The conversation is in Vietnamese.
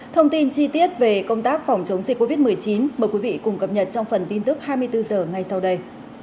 thông tin chi tiết về công tác phòng chống dịch covid một mươi chín mời quý vị cùng cập nhật trong phần tin tức hai mươi bốn h ngay sau đây